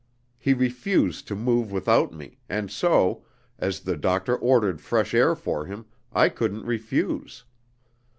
He refused to move without me, and so, as the doctor ordered fresh air for him, I couldn't refuse.